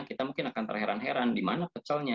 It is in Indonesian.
kita mungkin akan terheran heran di mana pecelnya